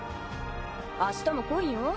明日も来いよ。